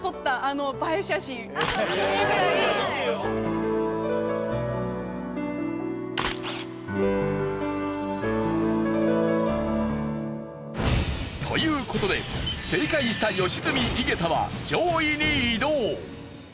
っていうぐらい。という事で正解した良純井桁は上位に移動。